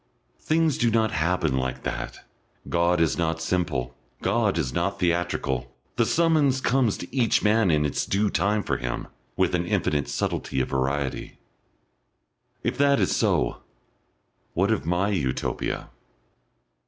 Things do not happen like that. God is not simple, God is not theatrical, the summons comes to each man in its due time for him, with an infinite subtlety of variety.... If that is so, what of my Utopia?